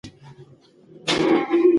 که ورزش نه وای نو خلک به ډېر ناروغه وو.